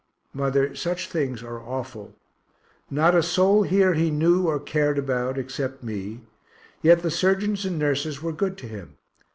Mother, such things are awful not a soul here he knew or cared about, except me yet the surgeons and nurses were good to him.